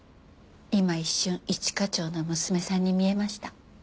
今一瞬一課長の娘さんに見えました。